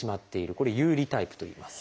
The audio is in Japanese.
これ「遊離」タイプといいます。